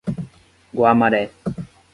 Guamaré